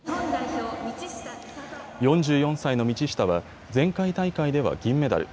４４歳の道下は前回大会では銀メダル。